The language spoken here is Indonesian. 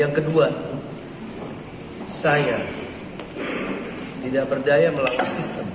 yang kedua saya tidak berdaya melawan sistem